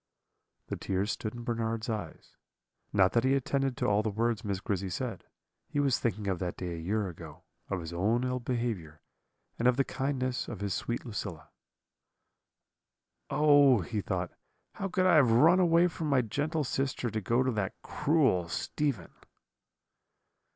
"The tears stood in Bernard's eyes not that he attended to all the words Miss Grizzy said; he was thinking of that day a year ago, of his own ill behaviour, and of the kindness of his sweet Lucilla. "'Oh!' he thought, 'how could I have run away from my gentle sister to go to that cruel Stephen?'